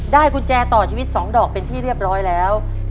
กุญแจต่อชีวิต๒ดอกเป็นที่เรียบร้อยแล้ว